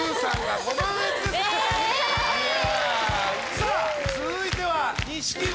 さあ続いては錦鯉。